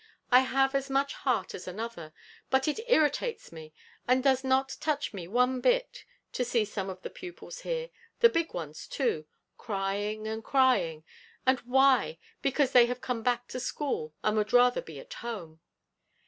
I have as much heart as another; but it irritates me, and does not touch me one bit, to see some of the pupils here, the big ones too, crying and crying, and _why? because they have come back to school, and would rather be at home!